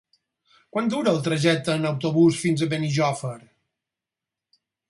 Quant dura el trajecte en autobús fins a Benijòfar?